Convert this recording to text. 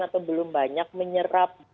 atau belum banyak menyerap